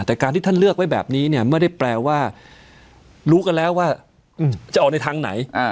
แต่การที่ท่านเลือกไว้แบบนี้เนี่ยไม่ได้แปลว่ารู้กันแล้วว่าจะออกในทางไหน